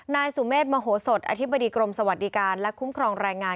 นายสุเมษมโหสดอธิบดีกรมสวัสดิการและคุ้มครองแรงงาน